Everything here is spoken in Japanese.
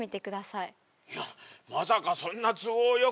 いやまさかそんな都合よく。